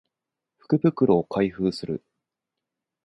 福袋を開封する